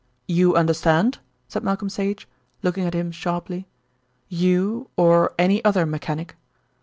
"You understand," said Malcolm Sage, looking at him sharply, "you _or any other mechanic?"